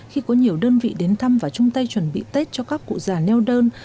khi có nhiều đơn vị đến thăm và chung tay chuẩn bị tết cho các cụ già neo đơn